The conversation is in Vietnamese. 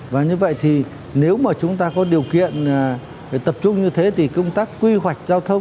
và như vậy thì nếu mà chúng ta có điều kiện tập trung như thế thì công tác quy hoạch giao thông